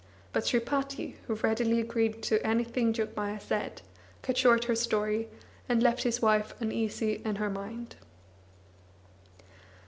But Sripati, who readily agreed to anything Jogmaya said, cut short her story, and left his wife uneasy in her mind.